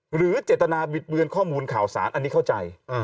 หรือเจตนาบิดเบือนข้อมูลข่าวสารอันนี้เข้าใจ